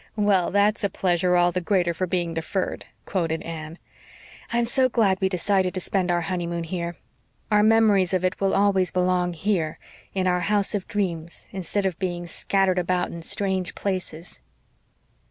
"Well, 'that's a pleasure all the greater for being deferred,'" quoted Anne. "I'm so glad we decided to spend our honeymoon here. Our memories of it will always belong here, in our house of dreams, instead of being scattered about in strange places."